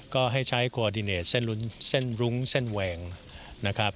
ก็ให้ใช้โคดิเนตเส้นรุ้งเส้นแหวงนะครับ